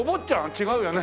違うよね。